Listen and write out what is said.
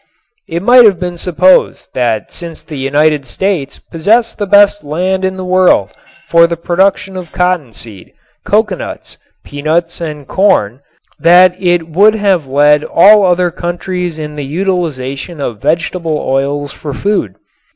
It might have been supposed that since the United States possessed the best land in the world for the production of cottonseed, coconuts, peanuts, and corn that it would have led all other countries in the utilization of vegetable oils for food.